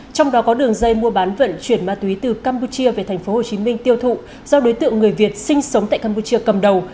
trong đó có đường dây mua bán vận chuyển ma túy từ campuchia về tp hcm tiêu thụ do đối tượng người việt sinh sống tại campuchia cầm đầu